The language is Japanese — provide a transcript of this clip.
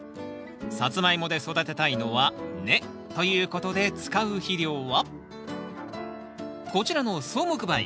サツマイモで育てたいのは根。ということで使う肥料はこちらの草木灰。